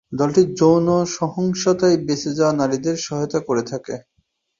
দলটি যৌন সহিংসতায় বেঁচে যাওয়া নারীদের সহায়তা করে থাকে।